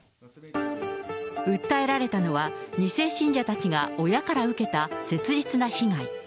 訴えられたのは、２世信者たちが親から受けた切実な被害。